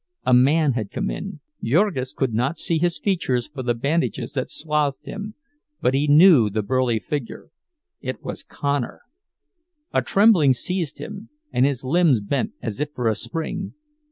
A man had come in—Jurgis could not see his features for the bandages that swathed him, but he knew the burly figure. It was Connor! A trembling seized him, and his limbs bent as if for a spring.